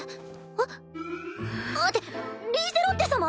あっ！ってリーゼロッテ様？